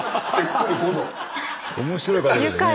面白い方ですね。